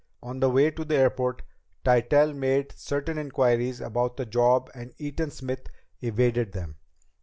On the way to the airport, Tytell made certain inquiries about the job and Eaton Smith evaded them.